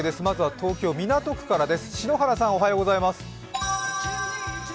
まずは東京・港区からです。